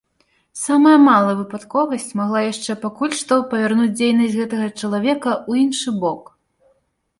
Самая малая выпадковасць магла яшчэ пакуль што павярнуць дзейнасць гэтага чалавека ў іншы бок.